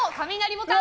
ボタン